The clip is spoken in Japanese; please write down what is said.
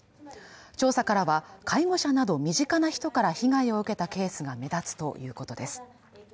調査からは、介護者など身近な人から被害を受けたケースが目立つということです。